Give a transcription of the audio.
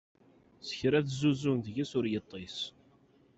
Sekra tezzuzzen deg-s ur yeṭṭis.